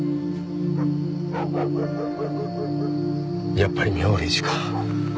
やっぱり妙霊寺か。